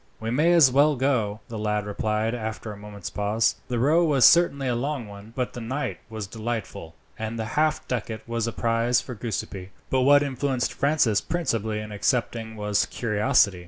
"We may as well go," the lad replied after a moment's pause. The row was certainly a long one, but the night was delightful, and the half ducat was a prize for Giuseppi; but what influenced Francis principally in accepting was curiosity.